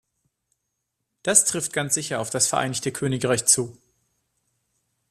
Das trifft ganz sicher auf das Vereinigte Königreich zu.